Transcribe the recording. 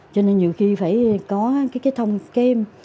cho nên nhiều khi phải có cái thông tin